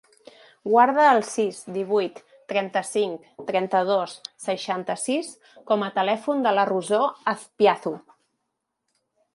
Guarda el sis, divuit, trenta-cinc, trenta-dos, seixanta-sis com a telèfon de la Rosó Azpiazu.